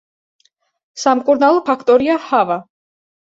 სამკურნალო ფაქტორია ჰავა.